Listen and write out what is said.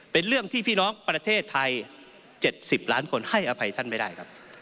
เป็นเรื่องที่พี่น้องประเทศไทย๗๐ล้านคนให้อภัยท่านไม่ได้ครับ